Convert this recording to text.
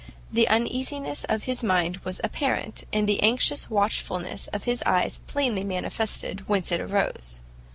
The uneasiness of his mind was apparent, and the anxious watchfulness of his eyes plainly manifested whence it arose.